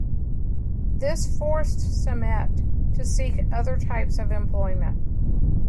This forced Sammet to seek other types of employment.